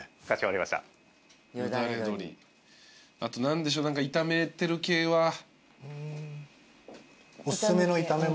あと何でしょう炒めてる系は。